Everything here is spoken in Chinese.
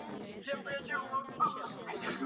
波罗兹克省行政区划和地方政府。